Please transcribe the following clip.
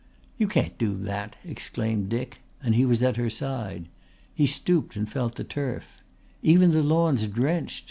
"You can't do that," exclaimed Dick and he was at her side. He stooped and felt the turf. "Even the lawn's drenched.